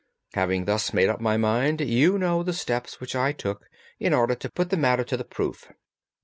Having once made up my mind, you know the steps which I took in order to put the matter to the proof.